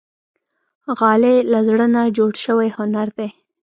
غالۍ له زړه نه جوړ شوی هنر دی.